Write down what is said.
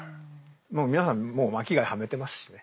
もう皆さんもう巻貝はめてますしね。